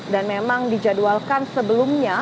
dan memang dijadwalkan sebelumnya